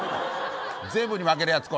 全部に負けるやつ。